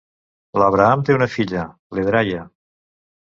L'Abraham té una filla, l'Edraya.